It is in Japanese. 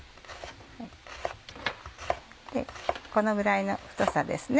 このぐらいの太さですね。